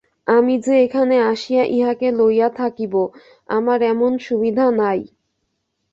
আমি যে এখানে আসিয়া ইঁহাকে লইয়া থাকিব, আমার এমন সুবিধা নাই।